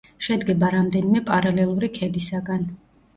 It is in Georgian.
შედგება რამდენიმე პარალელური ქედისაგან.